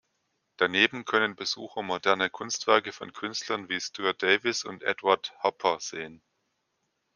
Daneben können Besucher moderne Kunstwerke von Künstlern wie Stuart Davis und Edward Hopper sehen.